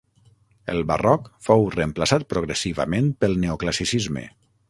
El Barroc fou reemplaçat progressivament pel Neoclassicisme.